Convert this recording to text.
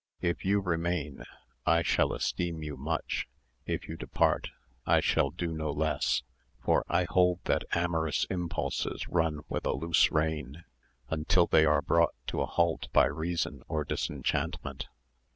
If you remain, I shall esteem you much; if you depart, I shall do so no less; for I hold that amorous impulses run with a loose rein, until they are brought to a halt by reason or disenchantment.